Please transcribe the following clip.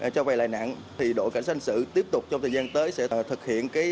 cho vai lãi nặng thì đội cảnh sát hành sự tiếp tục trong thời gian tới sẽ thực hiện